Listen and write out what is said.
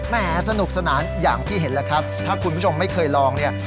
แหมสนุกสนานอย่างที่เห็นแล้วครับถ้าคุณผู้ชมไม่เคยลองเนี่ย